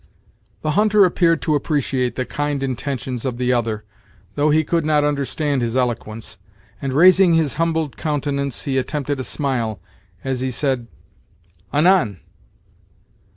The hunter appeared to appreciate the kind intentions of the other, though he could not understand his eloquence, and, raising his humbled countenance, he attempted a smile, as he said: "Anan!"